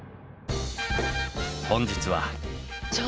本日は。